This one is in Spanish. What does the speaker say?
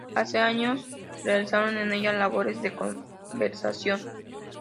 Hace pocos años se realizaron en ella labores de conservación.